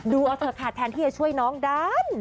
ดูเอาเถอะค่ะแทนที่จะช่วยน้องดัน